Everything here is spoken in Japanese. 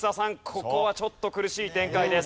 ここはちょっと苦しい展開です。